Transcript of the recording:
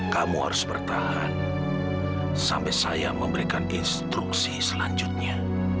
kamu harus bertahan sampai saya memberikan instruksi selanjutnya